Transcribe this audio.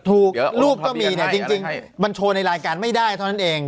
รูปก็มีเนี่ยจริงมันโชว์ในรายการไม่ได้เท่านั้นเอง